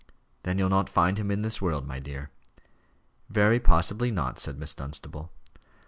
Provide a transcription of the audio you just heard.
"Then you'll not find him in this world, my dear." "Very possibly not," said Miss Dunstable.